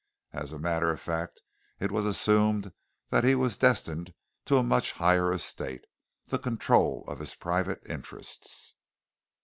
As a matter of fact, it was assumed that he was destined to a much higher estate the control of his private interests.